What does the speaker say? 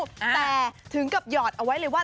แต่ถึงกับหยอดเอาไว้เลยว่า